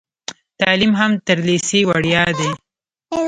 تعلیم هم تر لیسې وړیا دی.